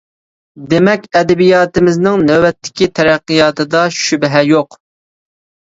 دېمەك، ئەدەبىياتىمىزنىڭ نۆۋەتتىكى تەرەققىياتىدا شۈبھە يوق.